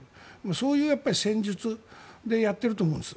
そういう戦術でやっていると思うんです。